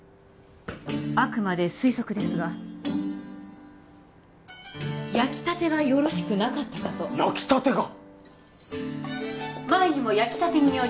あくまで推測ですが焼きたてがよろしくなかったかと焼きたてが？